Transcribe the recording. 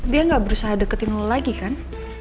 dia nggak berusaha deketin lo lagi kan